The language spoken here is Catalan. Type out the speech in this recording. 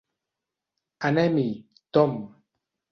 Anem-hi, Tom.